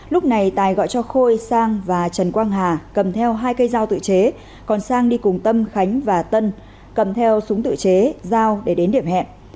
lúc này tài gọi cho khôi sang và trần quang hà cầm theo hai cây dao tự chế còn sang đi cùng tâm khánh và tân cầm theo súng tự chế dao để đến điểm hẹn